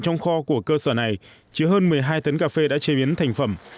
trong kho của cơ sở này chứa hơn một mươi hai tấn cà phê đã chế biến thành phẩm